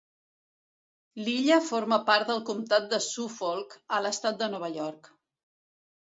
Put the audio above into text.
L'illa forma part del comptat de Suffolk a l'estat de Nova York.